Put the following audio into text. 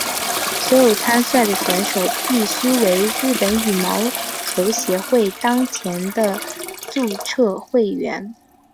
所有参赛选手必须为日本羽毛球协会当前的注册会员。